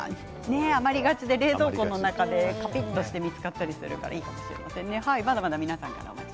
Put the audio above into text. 余りがちで冷蔵庫の中でカピっとして見つかったりするからいいかもしれないですね。